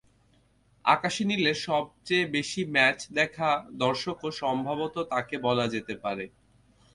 আকাশি নীলের সবচেয়ে বেশি ম্যাচ দেখা দর্শকও সম্ভবত তাঁকে বলা যেতে পারে।